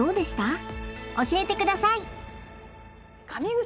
教えてください！